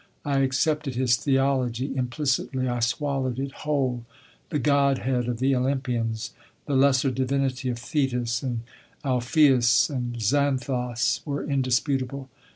I accepted his theology implicitly; I swallowed it whole. The Godhead of the Olympians, the lesser divinity of Thetis and Alpheios and Xanthos were indisputable.